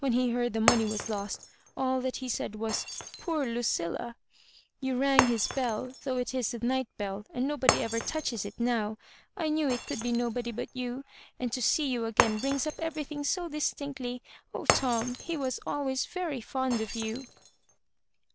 When he heard the money was lost, all that he said was, poor Lucillal You rang his bell, though it is the night beU, and nobody ever touches it now. I knew it could be nobody but you, and to see you again brings up everything so distinctly. Oh, Tom I he was always very fond of you."